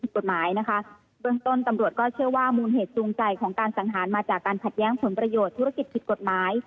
กฎหมายนะคะเบื้องต้นตำรวจก็เชื่อว่ามูลเหตุจูงใจของการสังหารมาจากการขัดแย้งผลประโยชน์ธุรกิจผิดกฎหมาย